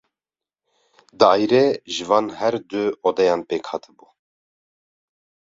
Daîre ji van her du odeyan pêk hatibû.